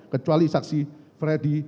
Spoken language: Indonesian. kecuali saksi freddy